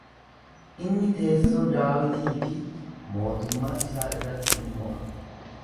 Inni teessoo Daawitii fi mootummaa isaa irratti in mo'a.